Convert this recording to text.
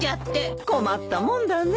困ったもんだね。